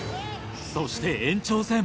そして延長戦。